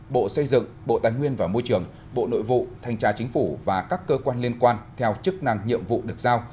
bộ xây dựng bộ tài nguyên và môi trường bộ nội vụ thanh tra chính phủ và các cơ quan liên quan theo chức năng nhiệm vụ được giao